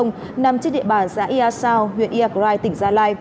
nằm trên địa bàn giãi yasao huyện yagrai tỉnh gia lai